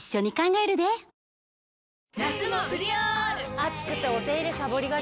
暑くてお手入れさぼりがち。